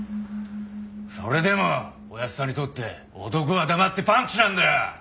それでもおやっさんにとって男は黙ってパンチなんだよ！